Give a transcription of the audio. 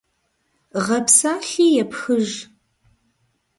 Гъэпсалъи епхыж.